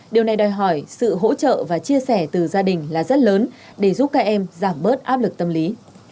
điều này đòi hỏi sự hỗ trợ và chia sẻ từ gia đình là rất lớn để giúp các em giảm bớt áp lực tâm lý